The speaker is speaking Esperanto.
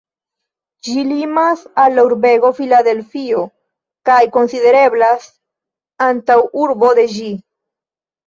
Ĝi limas al la urbego Filadelfio kaj konsidereblas antaŭurbo de ĝi.